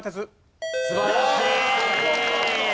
素晴らしい！